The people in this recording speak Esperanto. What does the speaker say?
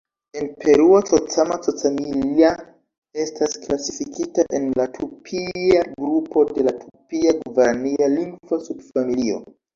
En Peruo, "Cocama-Cocamilla" estas klasifikita en la Tupia grupo de la Tupia-Gvarania lingvo-subfamilio.